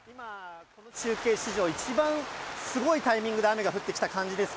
今、この中継史上一番すごいタイミングで雨が降ってきた感じです